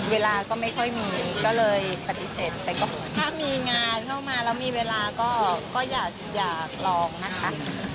เวลาก็ไม่ค่อยมีก็เลยปฏิเสธแต่ก็เหมือนถ้ามีงานเข้ามาแล้วมีเวลาก็อยากลองนะคะ